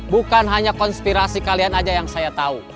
bukan hanya konspirasi kalian aja yang saya tahu